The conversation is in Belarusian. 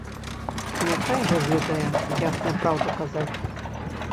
Няхай жа ведае, як няпраўду казаць.